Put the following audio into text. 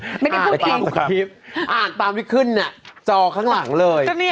ไม่ได้พูดเองอ่านตามที่ขึ้นน่ะจอข้างหลังเลย